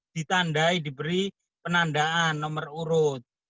ditandai diberi penandaan nomor urut